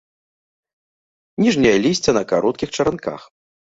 Ніжняе лісце на кароткіх чаранках.